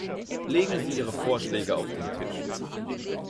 Legen Sie Ihre Vorschläge auf den Tisch.